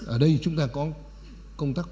ở đây chúng ta có công tác